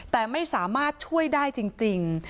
แต่ไม่สามารถช่วยได้จริง